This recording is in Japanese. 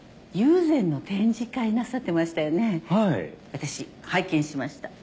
私拝見しました。